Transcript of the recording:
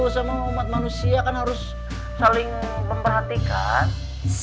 sama umat manusia kan harus saling memperhatikan